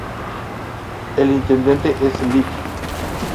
El Intendente es el Lic.